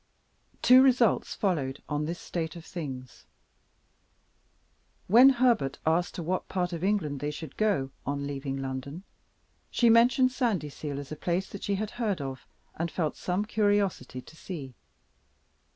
Two results followed on this state of things. When Herbert asked to what part of England they should go, on leaving London, she mentioned Sandyseal as a place that she had heard of, and felt some curiosity to see.